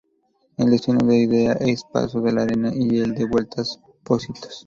El destino de ida es Paso de la Arena y el de vuelta Pocitos.